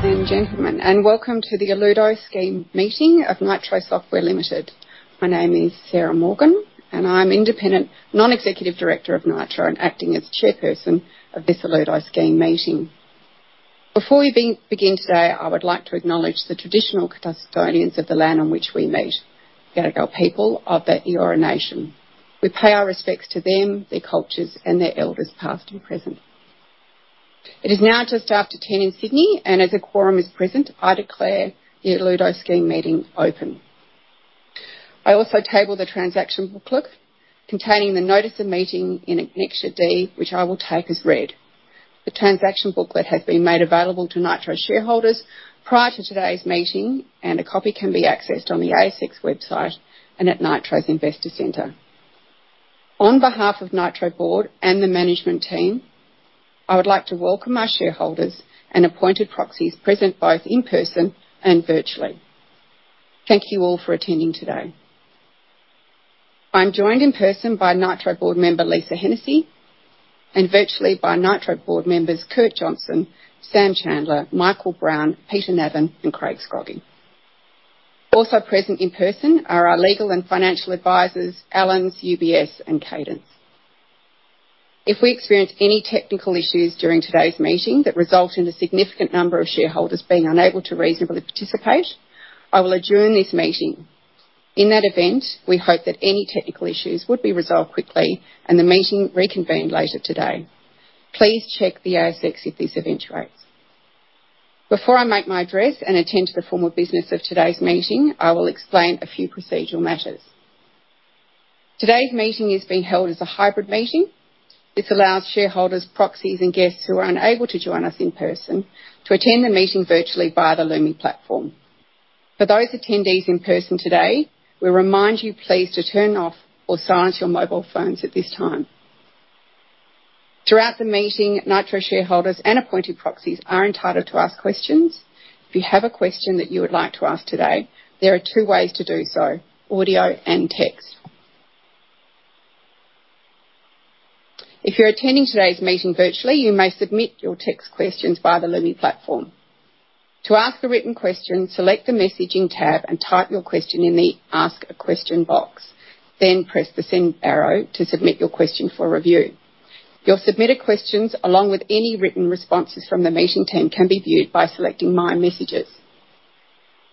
Ladies and gentlemen, welcome to the Alludo Scheme Meeting of Nitro Software Limited. My name is Sarah Morgan, I'm Non-Executive Director of Nitro and acting as chairperson of this Alludo Scheme meeting. Before we begin today, I would like to acknowledge the Traditional Custodians of the land on which we meet, Gadigal people of the Eora Nation. We pay our respects to them, their cultures and their Elders, past and present. It is now just after 10 in Sydney, as a quorum is present, I declare the Alludo Scheme meeting open. I also table the Transaction Booklet containing the notice of meeting in Annexure D, which I will take as read. The Transaction Booklet has been made available to Nitro Shareholders prior to today's meeting, a copy can be accessed on the ASX website and at Nitro's Investor Center. On behalf of Nitro Board and the management team, I would like to welcome our shareholders and appointed proxies present, both in person and virtually. Thank you all for attending today. I'm joined in person by Nitro Board member Lisa Hennessy and virtually by Nitro Board members Kurt Johnson, Sam Chandler, Michael Brown, Peter Navin, and Craig Scroggie. Also present in person are our legal and financial advisors, Allens, UBS and Cadence. If we experience any technical issues during today's meeting that result in a significant number of shareholders being unable to reasonably participate, I will adjourn this meeting. In that event, we hope that any technical issues would be resolved quickly and the meeting reconvened later today. Please check the ASX if this event occurs. Before I make my address and attend to the formal business of today's meeting, I will explain a few procedural matters. Today's meeting is being held as a hybrid meeting. This allows shareholders, proxies and guests who are unable to join us in person to attend the meeting virtually via the Lumi platform. For those attendees in person today, we remind you please to turn off or silence your mobile phones at this time. Throughout the meeting, Nitro Shareholders and appointed proxies are entitled to ask questions. If you have a question that you would like to ask today, there are two ways to do so, audio and text. If you're attending today's meeting virtually, you may submit your text questions via the Lumi platform. To ask a written question, select the Messaging tab and type your question in the Ask a question box, then press the send arrow to submit your question for review. Your submitted questions, along with any written responses from the meeting team, can be viewed by selecting My Messages.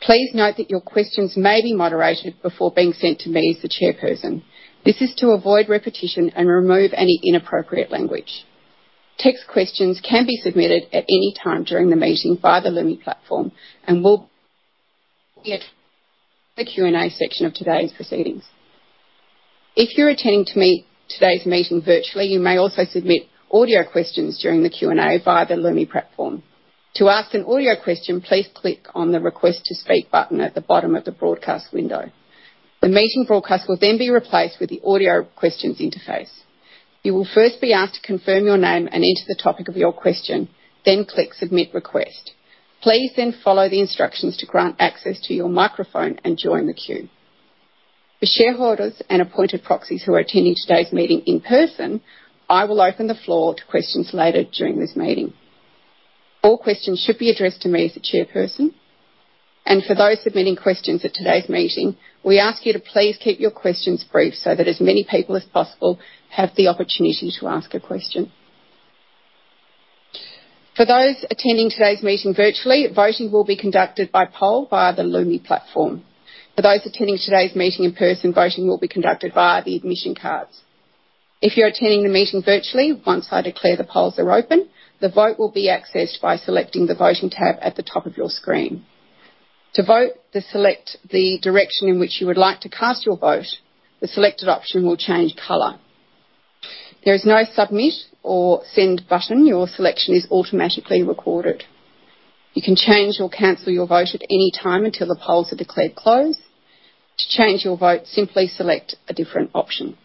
Please note that your questions may be moderated before being sent to me as the chairperson. This is to avoid repetition and remove any inappropriate language. Text questions can be submitted at any time during the meeting via the Lumi platform and will be at the Q&A section of today's proceedings. If you're attending today's meeting virtually, you may also submit audio questions during the Q&A via the Lumi platform. To ask an audio question, please click on the Request to speak button at the bottom of the broadcast window. The meeting broadcast will be replaced with the audio questions interface. You will first be asked to confirm your name and enter the topic of your question. Click Submit request. Please follow the instructions to grant access to your microphone and join the queue. For shareholders and appointed proxies who are attending today's meeting in person, I will open the floor to questions later during this meeting. All questions should be addressed to me as the chairperson. For those submitting questions at today's meeting, we ask you to please keep your questions brief so that as many people as possible have the opportunity to ask a question. For those attending today's meeting virtually, voting will be conducted by poll via the Lumi platform. For those attending today's meeting in person, voting will be conducted via the admission cards. If you're attending the meeting virtually, once I declare the polls are open, the vote will be accessed by selecting the Voting tab at the top of your screen. To vote, then select the direction in which you would like to cast your vote. The selected option will change color. There is no submit or send button. Your selection is automatically recorded. You can change or cancel your vote at any time until the polls are declared closed. To change your vote, simply select a different option.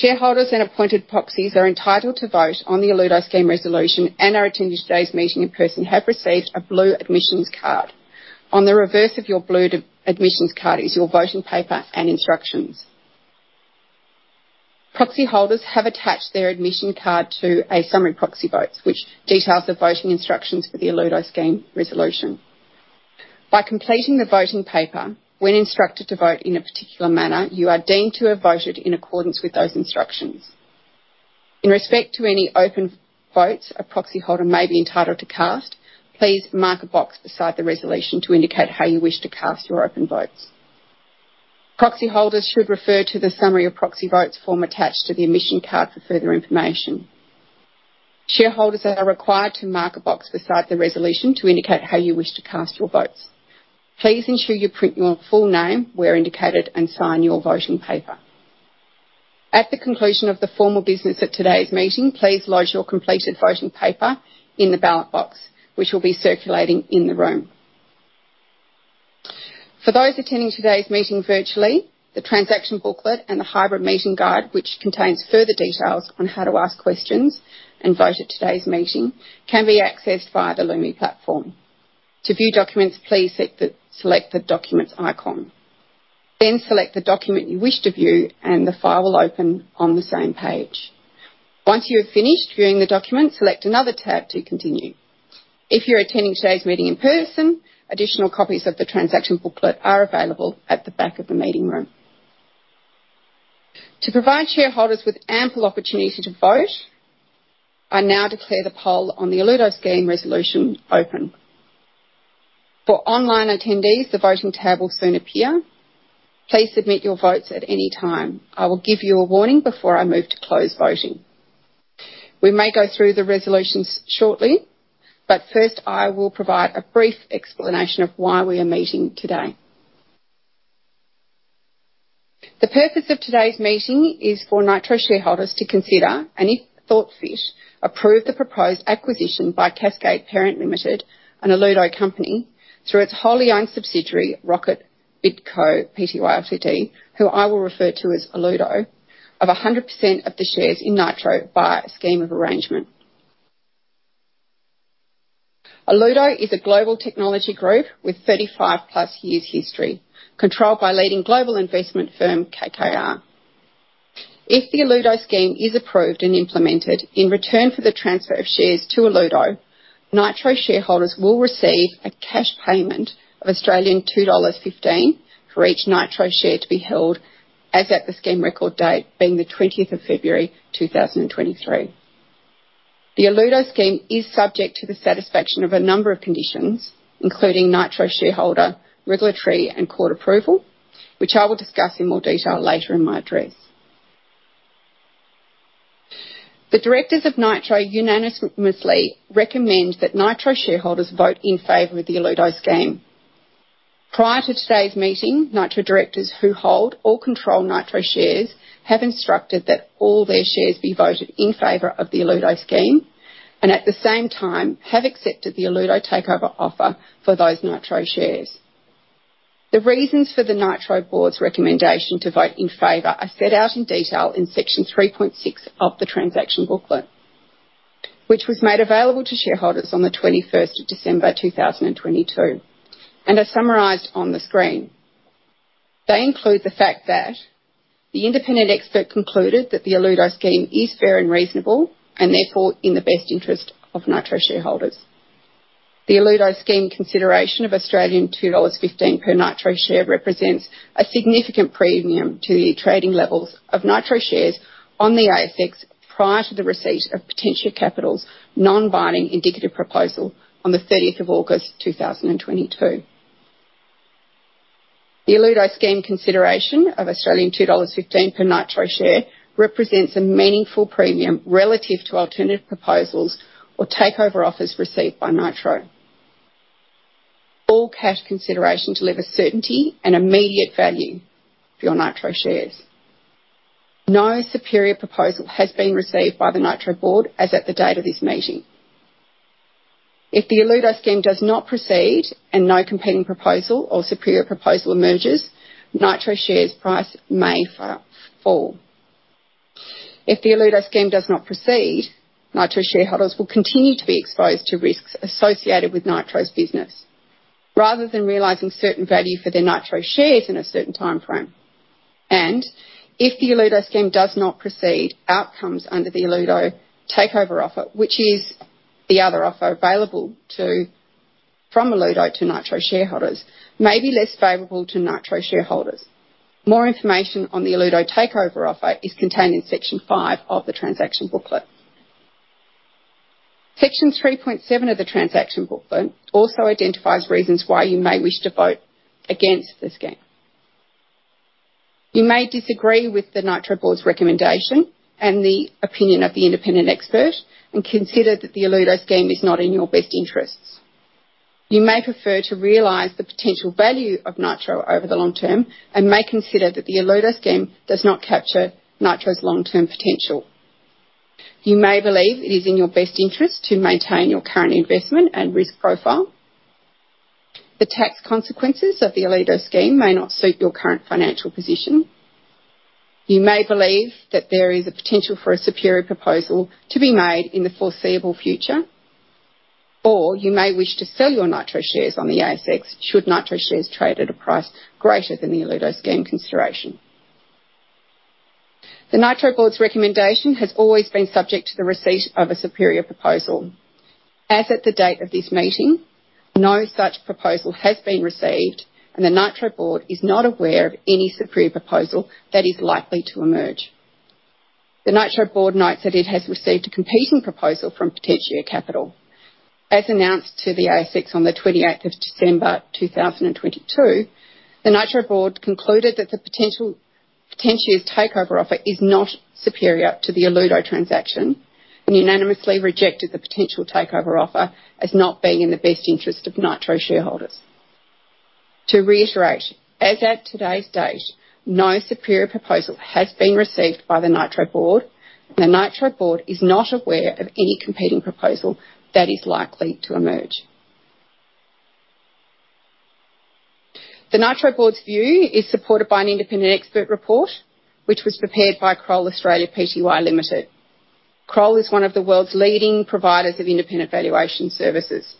Shareholders and appointed proxies are entitled to vote on the Alludo Scheme resolution and are attending today's meeting in person have received a blue admissions card. On the reverse of your blue admissions card is your voting paper and instructions. Proxyholders have attached their admission card to a summary proxy votes which details the voting instructions for the Alludo Scheme resolution. By completing the voting paper, when instructed to vote in a particular manner, you are deemed to have voted in accordance with those instructions. In respect to any open votes a proxyholder may be entitled to cast, please mark a box beside the resolution to indicate how you wish to cast your open votes. Proxyholders should refer to the summary of proxy votes form attached to the admission card for further information. Shareholders are required to mark a box beside the resolution to indicate how you wish to cast your votes. Please ensure you print your full name where indicated and sign your voting paper. At the conclusion of the formal business at today's meeting, please lodge your completed voting paper in the ballot box, which will be circulating in the room. For those attending today's meeting virtually, the Transaction Booklet and the hybrid meeting guide, which contains further details on how to ask questions and vote at today's meeting, can be accessed via the Lumi platform. To view documents, please select the Documents icon. Select the document you wish to view and the file will open on the same page. Once you have finished viewing the document, select another tab to continue. If you're attending today's meeting in person, additional copies of the Transaction Booklet are available at the back of the meeting room. To provide shareholders with ample opportunity to vote, I now declare the poll on the Alludo Scheme resolution open. For online attendees, the voting tab will soon appear. Please submit your votes at any time. I will give you a warning before I move to close voting. We may go through the resolutions shortly. First, I will provide a brief explanation of why we are meeting today. The purpose of today's meeting is for Nitro Shareholders to consider, and if thought fit, approve the proposed acquisition by Cascade Parent Limited, an Alludo company, through its wholly owned subsidiary, Rocket BidCo Pty Ltd, who I will refer to as Alludo, of 100% of the shares in Nitro by a Scheme of Arrangement. Alludo is a global technology group with 35+ years history, controlled by leading global investment firm KKR. If the Alludo Scheme is approved and implemented in return for the transfer of shares to Alludo, Nitro Shareholders will receive a cash payment of 2.15 Australian dollars for each Nitro Share to be held as at the Scheme record date being the 20th of February, 2023. The Alludo Scheme is subject to the satisfaction of a number of conditions, including Nitro Shareholder, regulatory, and court approval, which I will discuss in more detail later in my address. The directors of Nitro unanimously recommend that Nitro Shareholders VOTE IN FAVOUR of the Alludo Scheme. Prior to today's meeting, Nitro Directors who hold or control Nitro Shares have instructed that all their shares be voted in favor of the Alludo Scheme, and at the same time have accepted the Alludo takeover offer for those Nitro shares. The reasons for the Nitro Board's recommendation to VOTE IN FAVOUR are set out in detail in Section 3.6 of the Transaction Booklet, which was made available to shareholders on the 21st of December, 2022 and are summarized on the screen. They include the fact that the independent expert concluded that the Alludo Scheme is fair and reasonable, and therefore in the best interest of Nitro Shareholders. The Alludo Scheme consideration of 2.15 Australian dollars per Nitro Share represents a significant premium to the trading levels of Nitro Shares on the ASX prior to the receipt of Potentia Capital's non-binding indicative proposal on August 30th, 2022. The Alludo Scheme consideration of 2.15 Australian dollars per Nitro Share represents a meaningful premium relative to alternative proposals or takeover offers received by Nitro. All cash consideration deliver certainty and immediate value for your Nitro Shares. No superior proposal has been received by the Nitro Board as at the date of this meeting. If the Alludo Scheme does not proceed and no competing proposal or superior proposal emerges, Nitro Shares price may fall. If the Alludo Scheme does not proceed, Nitro Shareholders will continue to be exposed to risks associated with Nitro's business rather than realizing certain value for their Nitro Shares in a certain timeframe. If the Alludo Scheme does not proceed, outcomes under the Alludo takeover offer, which is the other offer from Alludo to Nitro Shareholders, may be less favorable to Nitro Shareholders. More information on the Alludo takeover offer is contained in Section 5 of the Transaction Booklet. Section 3.7 of the Transaction Booklet also identifies reasons why you may wish to vote against the Scheme. You may disagree with the Nitro Board's recommendation and the opinion of the independent expert, and consider that the Alludo Scheme is not in your best interests. You may prefer to realize the potential value of Nitro over the long term and may consider that the Alludo Scheme does not capture Nitro's long-term potential. You may believe it is in your best interest to maintain your current investment and risk profile. The tax consequences of the Alludo Scheme may not suit your current financial position. You may believe that there is a potential for a superior proposal to be made in the foreseeable future. You may wish to sell your Nitro Shares on the ASX, should Nitro Shares trade at a price greater than the Alludo Scheme consideration. The Nitro Board's recommendation has always been subject to the receipt of a superior proposal. As at the date of this meeting, no such proposal has been received, and the Nitro Board is not aware of any superior proposal that is likely to emerge. The Nitro Board notes that it has received a competing proposal from Potentia Capital. As announced to the ASX on the 28th of December, 2022, the Nitro Board concluded that Potentia's takeover offer is not superior to the Alludo Transaction and unanimously rejected the potential takeover offer as not being in the best interest of Nitro Shareholders. To reiterate, as at today's date, no superior proposal has been received by the Nitro Board, and the Nitro Board is not aware of any competing proposal that is likely to emerge. The Nitro Board's view is supported by an independent expert report, which was prepared by Kroll Australia Pty Limited. Kroll is one of the world's leading providers of independent valuation services.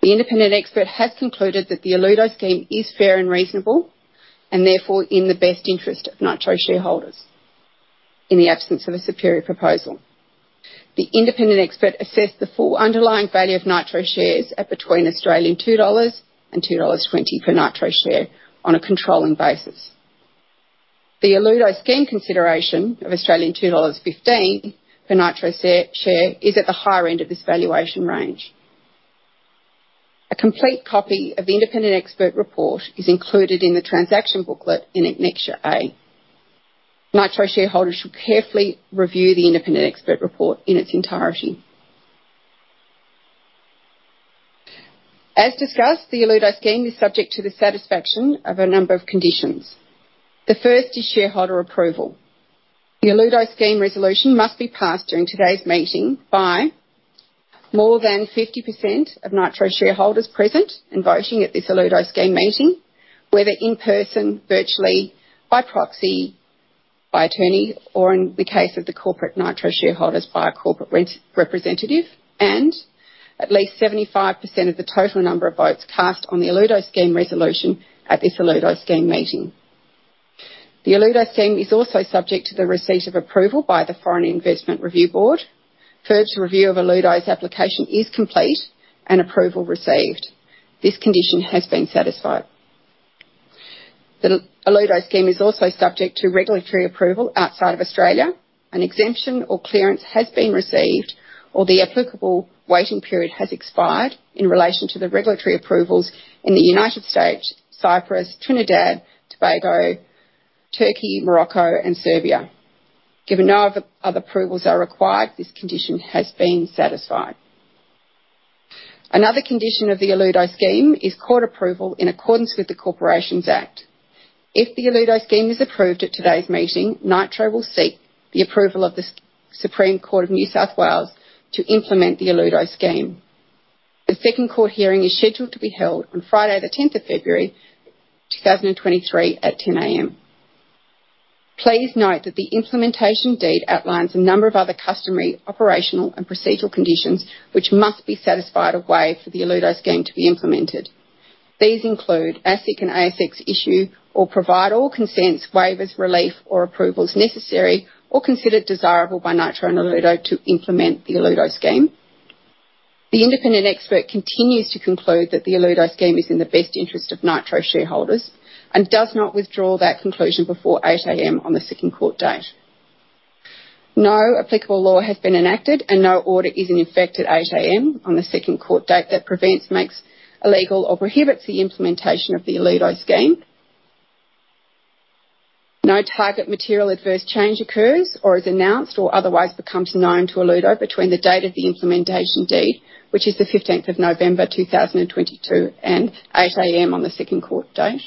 The independent expert has concluded that the Alludo Scheme is fair and reasonable and therefore in the best interest of Nitro Shareholders in the absence of a superior proposal. The independent expert assessed the full underlying value of Nitro Shares at between 2 Australian dollars and 2.20 dollars per Nitro Share on a controlling basis. The Alludo Scheme consideration of 2.15 Australian dollars per Nitro Share is at the higher end of this valuation range. A complete copy of the independent expert report is included in the Transaction Booklet in Annexure A. Nitro Shareholders should carefully review the independent expert report in its entirety. As discussed, the Alludo Scheme is subject to the satisfaction of a number of conditions. The first is shareholder approval. The Alludo Scheme resolution must be passed during today's meeting by more than 50% of Nitro Shareholders present and voting at this Alludo Scheme meeting, whether in-person, virtually, by proxy, by attorney, or in the case of the corporate Nitro Shareholders, by a corporate representative, and at least 75% of the total number of votes cast on the Alludo Scheme resolution at this Alludo Scheme meeting. The Alludo Scheme is also subject to the receipt of approval by the Foreign Investment Review Board. FIRB's review of Alludo's application is complete and approval received. This condition has been satisfied. The Alludo Scheme is also subject to regulatory approval outside of Australia. An exemption or clearance has been received or the applicable waiting period has expired in relation to the regulatory approvals in the United States, Cyprus, Trinidad and Tobago, Turkey, Morocco and Serbia. Given no other approvals are required, this condition has been satisfied. Another condition of the Alludo Scheme is court approval in accordance with the Corporations Act. If the Alludo Scheme is approved at today's meeting, Nitro will seek the approval of the Supreme Court of New South Wales to implement the Alludo Scheme. The second court hearing is scheduled to be held on Friday the 10th of February, 2023 at 10:00 A.M. Please note that the implementation deed outlines a number of other customary operational and procedural conditions which must be satisfied or waived for the Alludo Scheme to be implemented. These include ASIC and ASX issue or provide all consents, waivers, relief, or approvals necessary or considered desirable by Nitro and Alludo to implement the Alludo Scheme. The independent expert continues to conclude that the Alludo Scheme is in the best interest of Nitro Shareholders and does not withdraw that conclusion before 8:00 A.M. on the second court date. No applicable law has been enacted and no order is in effect at 8:00 A.M. on the second court date that prevents, makes illegal or prohibits the implementation of the Alludo Scheme. No target material adverse change occurs or is announced or otherwise becomes known to Alludo between the date of the implementation deed, which is the 15th of November, 2022, and 8:00 A.M. on the second court date.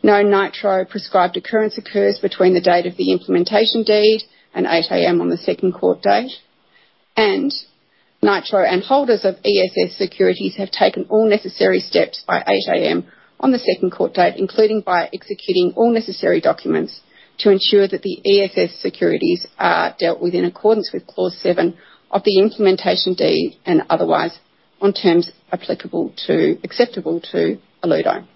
No Nitro prescribed occurrence occurs between the date of the implementation deed and 8:00 A.M. on the second court date. Nitro and holders of ESS Securities have taken all necessary steps by 8:00 A.M. on the second court date, including by executing all necessary documents to ensure that the ESS Securities are dealt with in accordance with Clause 7 of the implementation deed and otherwise on terms acceptable to Alludo.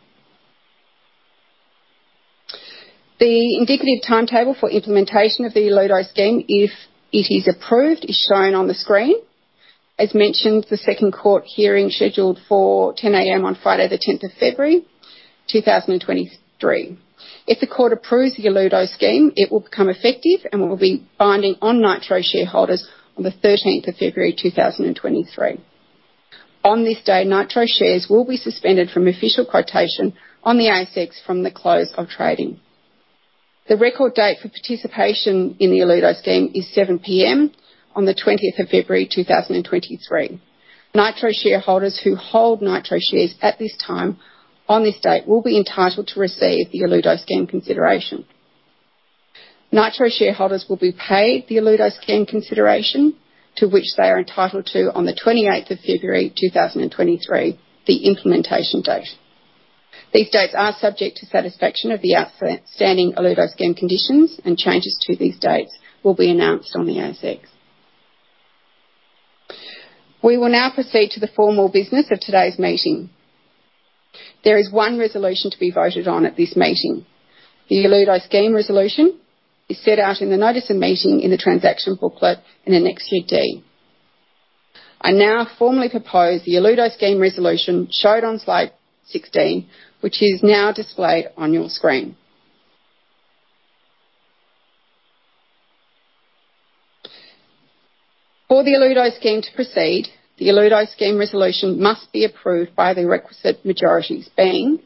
The indicative timetable for implementation of the Alludo Scheme, if it is approved, is shown on the screen. As mentioned, the second court hearing scheduled for 10:00 A.M. on Friday the 10th of February, 2023. If the court approves the Alludo Scheme, it will become effective and will be binding on Nitro Shareholders on the 13th of February, 2023. On this day, Nitro Shares will be suspended from official quotation on the ASX from the close of trading. The record date for participation in the Alludo Scheme is 7:00 P.M. on the 20th of February, 2023. Nitro Shareholders who hold Nitro Shares at this time on this date will be entitled to receive the Alludo Scheme consideration. Nitro Shareholders will be paid the Alludo Scheme consideration to which they are entitled to on the 28th of February, 2023, the implementation date. These dates are subject to satisfaction of the outstanding Alludo Scheme conditions. Changes to these dates will be announced on the ASX. We will now proceed to the formal business of today's meeting. There is one resolution to be voted on at this meeting. The Alludo Scheme resolution is set out in the notice of meeting in the Transaction Booklet in Annexure D. I now formally propose the Alludo Scheme resolution showed on slide 16, which is now displayed on your screen. For the Alludo Scheme to proceed, the Alludo Scheme resolution must be approved by the requisite majorities being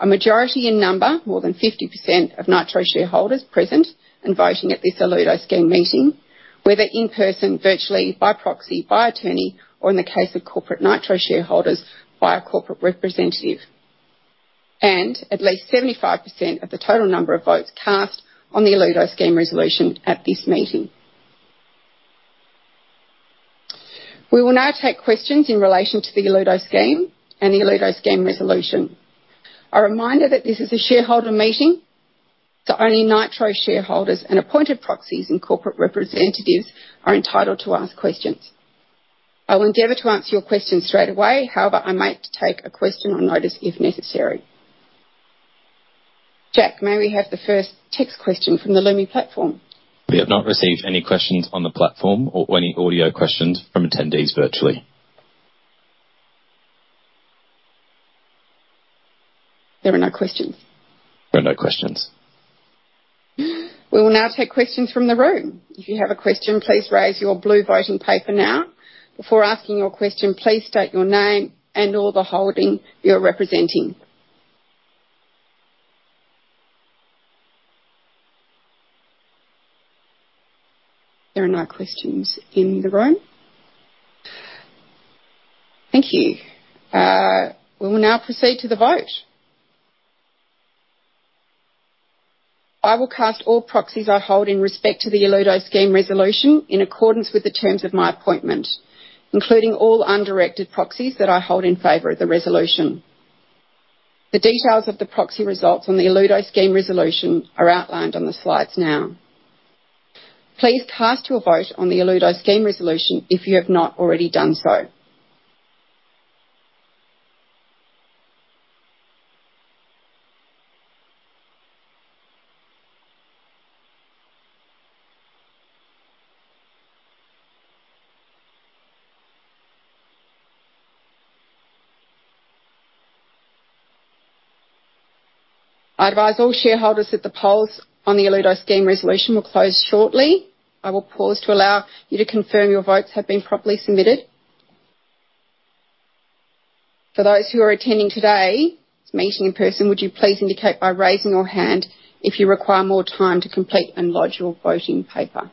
a majority in number, more than 50% of Nitro Shareholders present and voting at this Alludo Scheme meeting, whether in-person, virtually, by proxy, by attorney, or in the case of corporate Nitro Shareholders, by a corporate representative, and at least 75% of the total number of votes cast on the Alludo Scheme resolution at this meeting. We will now take questions in relation to the Alludo Scheme and the Alludo Scheme resolution. A reminder that this is a shareholder meeting, so only Nitro Shareholders and appointed proxies and corporate representatives are entitled to ask questions. I will endeavor to answer your question straight away. However, I might take a question on notice if necessary. Jack, may we have the first text question from the Lumi platform? We have not received any questions on the platform or any audio questions from attendees virtually. There are no questions? There are no questions. We will now take questions from the room. If you have a question, please raise your blue voting paper now. Before asking your question, please state your name and/or the holding you're representing. There are no questions in the room. Thank you. We will now proceed to the vote. I will cast all proxies I hold in respect to the Alludo Scheme resolution in accordance with the terms of my appointment, including all undirected proxies that I hold in favor of the resolution. The details of the proxy results on the Alludo Scheme resolution are outlined on the slides now. Please cast your vote on the Alludo Scheme resolution if you have not already done so. I advise all shareholders that the polls on the Alludo Scheme resolution will close shortly. I will pause to allow you to confirm your votes have been properly submitted. For those who are attending today's meeting in person, would you please indicate by raising your hand if you require more time to complete and lodge your voting paper?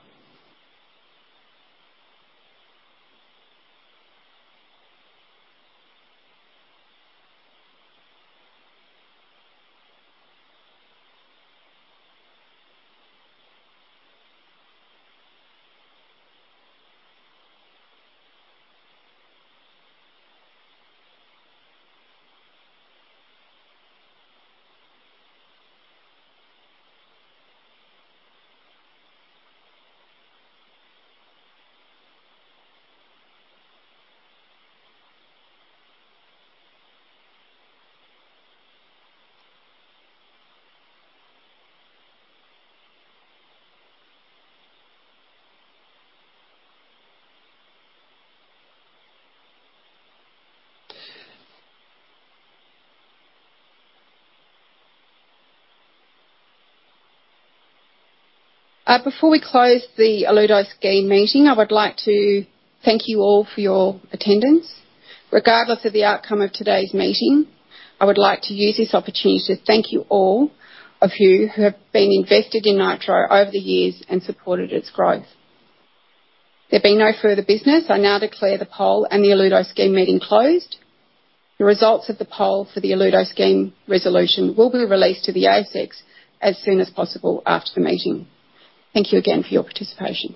Before we close the Alludo Scheme meeting, I would like to thank you all for your attendance. Regardless of the outcome of today's meeting, I would like to use this opportunity to thank you all of you who have been invested in Nitro over the years and supported its growth. There being no further business, I now declare the poll and the Alludo Scheme meeting closed. The results of the poll for the Alludo Scheme resolution will be released to the ASX as soon as possible after the meeting. Thank you again for your participation.